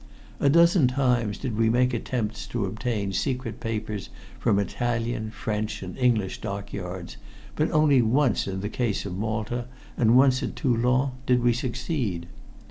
A dozen times did we make attempts to obtain secret papers from Italian, French and English dockyards, but only once in the case of Malta and once at Toulon did we succeed.